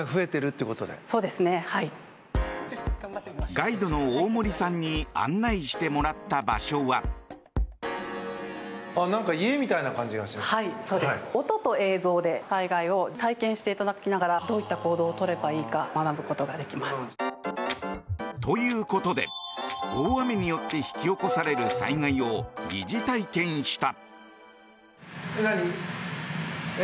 ガイドの大森さんに案内してもらった場所は。ということで、大雨によって引き起こされる災害を疑似体験した。